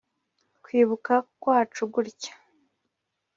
Kwibuka kwacu gutya